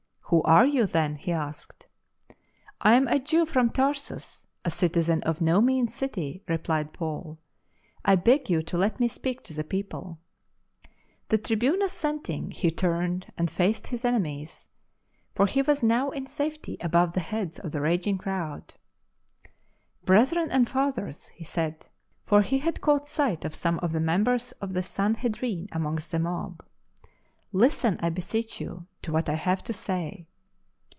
" Who are you, then ?" he asked. " I am a Jew from Tarsus, a citizen of no mean city," replied Paul. " I beg you to let me speak to the people." The tribune assenting, he turned and faced his enemies, for he was now in safety above the heads of the raging crowd. 100 LIFE OF ST. PAUL " Brethren and Fathers," he said, for he had caught sight of some of the members of the Sanhedrin amongst the mob, " listen, I be seech 3mu, to what I have to say."